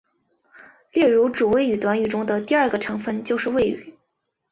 例如主谓短语中的第二个成分就是谓语。